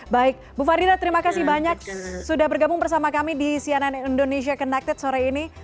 baik bu farida terima kasih banyak sudah bergabung bersama kami di cnn indonesia connected sore ini